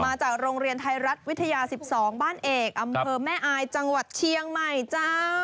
มาจากโรงเรียนไทยรัฐวิทยา๑๒บ้านเอกอำเภอแม่อายจังหวัดเชียงใหม่จ้า